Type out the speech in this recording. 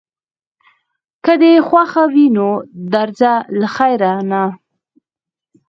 که دې خوښه وي نو درځه له خیره، نه.